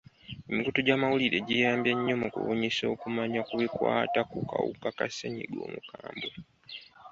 Emikutu gy'amawulire giyambye nnyo mu kubunyisa okumanya ku bikwata ku kawuka ka ssenyiga omukambwe.